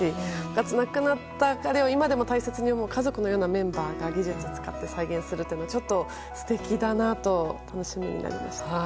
あと亡くなった彼を今でも大切に思う家族のようなメンバーが技術を使って再現するというのは素敵だなと楽しみになりました。